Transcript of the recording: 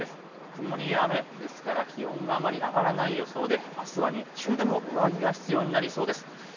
曇りや雨ですから気温があまり上がらない予想であすは日中でも上着が必要になりそうです。